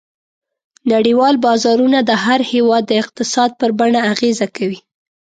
نړیوال بازارونه د هر هېواد د اقتصاد پر بڼه اغېزه کوي.